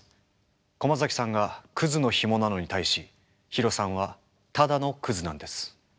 駒崎さんがクズのヒモなのに対しヒロさんはただのクズなんです。